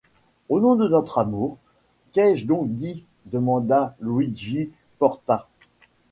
Au nom de notre amour, qu’ai-je donc dit, demanda Luigi Porta.